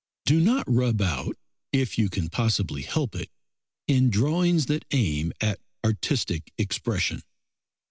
Do not rub out, if you can possibly help it, in drawings that aim at artistic expression.